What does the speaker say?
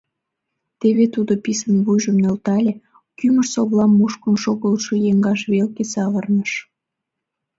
Теве тудо писын вуйжым нӧлтале, кӱмыж-совлам мушкын шогылтшо еҥгаж велке савырныш.